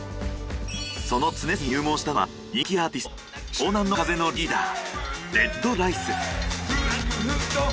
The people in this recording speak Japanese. その常住に入門したのは人気アーティスト湘南乃風のリーダーＲＥＤＲＩＣＥ。